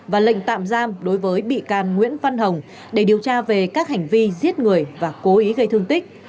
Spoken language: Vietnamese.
và lệnh tạm giam đối với bị can nguyễn văn hồng để điều tra về các hành vi giết người và cố ý gây thương tích